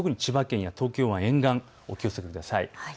千葉県が東京湾沿岸、お気をつけください。